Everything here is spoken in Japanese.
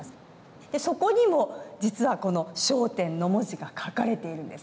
そこにも実はこの小篆の文字が書かれているんです。